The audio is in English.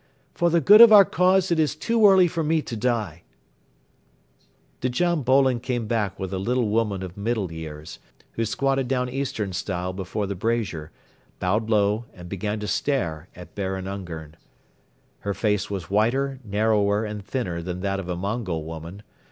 "For the good of our cause it is too early for me to die. ..." Djam Bolon came back with a little woman of middle years, who squatted down eastern style before the brazier, bowed low and began to stare at Baron Ungern. Her face was whiter, narrower and thinner than that of a Mongol woman.